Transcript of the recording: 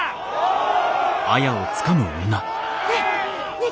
ねえ！